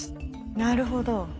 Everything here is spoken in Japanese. なるほど。